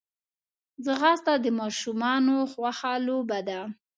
ځغاسته د ماشومانو خوښه لوبه ده